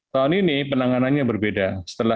tahun ini penanganannya berbeda